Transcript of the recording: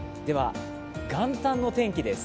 元旦の天気です。